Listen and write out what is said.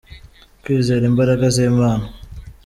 kwizera imbaraga z’Imana